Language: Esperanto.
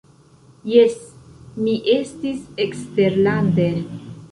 Jes, mi estis eksterlande.